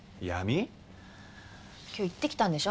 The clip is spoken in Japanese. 今日行ってきたんでしょ？